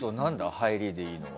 入りでいいのは。